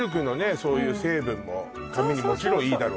そういう成分も髪にもちろんいいだろうしね